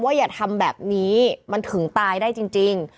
อย่าทำแบบนี้มันถึงตายได้จริง